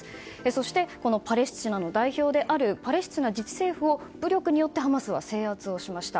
そしてパレスチナの代表であるパレスチナ自治政府を武力によってハマスは制圧しました。